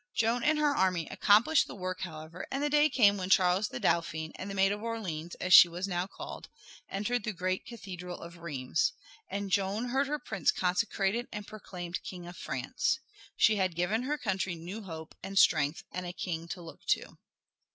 Joan and her army accomplished the work, however, and the day came when Charles the Dauphin and the Maid of Orleans, as she was now called, entered the great cathedral of Rheims, and Joan heard her prince consecrated and proclaimed King of France. She had given her country new hope and strength and a king to look to.